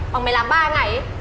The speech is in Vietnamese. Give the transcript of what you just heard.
hoặc mày làm ba ngày á